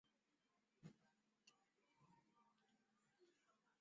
东方狗脊为乌毛蕨科狗脊属下的一个种。